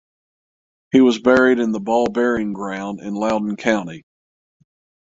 He was buried in the Ball Burying Ground in Loudoun County.